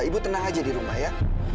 ibu tenang aja di rumah ya